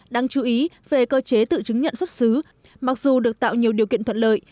đáng chú ý về cơ chế tự chứng nhận xuất xứ mặc dù được tạo nhiều điều kiện thuận lợi